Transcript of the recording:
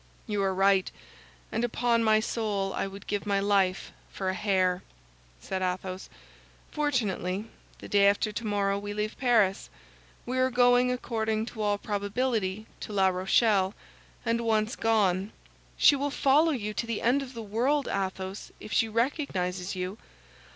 "You are right; and upon my soul, I would give my life for a hair," said Athos. "Fortunately, the day after tomorrow we leave Paris. We are going according to all probability to La Rochelle, and once gone—" "She will follow you to the end of the world, Athos, if she recognizes you.